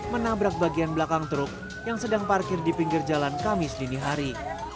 menabrak bagian belakang truk yang sedang parkir di pinggir jalan kamis dini hari